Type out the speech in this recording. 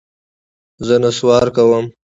زه نسوار کوم.